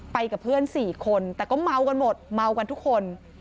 ไปกับเพื่อน๔คนแต่มัวกันหมดมัวกันทุกคน